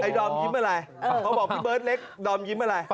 ดอมยิ้มอะไรเขาบอกพี่เบิร์ตเล็กดอมยิ้มอะไร